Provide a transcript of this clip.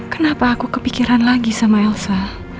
kenapa aku kepikiran lagi sama elsa